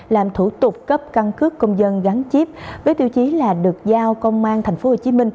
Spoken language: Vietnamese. làm thủ tục cấp căn cước công dân gắn chip với tiêu chí là được giao công an tp hcm